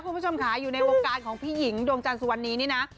คุณผู้ชมค่ะอยู่ในวงการของพี่หญิงดวงจันทร์สุวรรณีนี่นะ